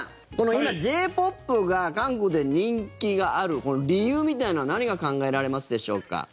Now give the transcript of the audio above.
今、Ｊ−ＰＯＰが韓国で人気があるこの理由みたいなのは何が考えられますでしょうか？